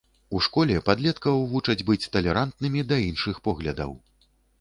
У школе падлеткаў вучаць быць талерантнымі да іншых поглядаў.